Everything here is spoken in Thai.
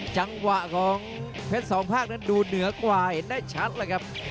จังหวะของเพชรสองภาคนั้นดูเหนือกว่าเห็นได้ชัดเลยครับ